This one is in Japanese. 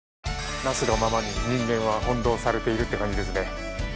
なすがままに人間は翻弄されているって感じですね。